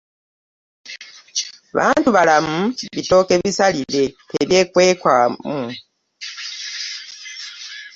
bantu bbalamu bitooke bisalire tebyekwekwamu